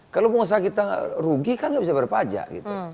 kalau pengusaha kita rugi kan gak bisa bayar pajak gitu